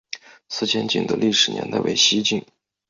思前井的历史年代为西晋。